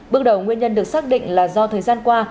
bước đầu nguyên nhân được xác định là do thời gian qua